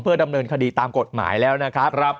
ดำเนินคดีตามกฎหมายแล้วนะครับ